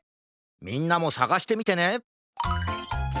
みんなもさがしてみてね！